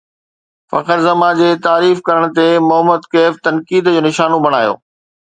فخر زمان جي تعريف ڪرڻ تي محمد ڪيف تنقيد جو نشانو بڻايو